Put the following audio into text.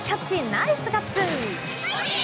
ナイスガッツ！